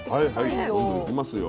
どんどんいきますよ。